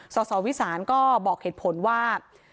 สสวิสานก็บอกเหตุผลว่า